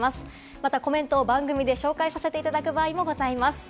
また、コメントを番組で紹介させていただく場合もございます。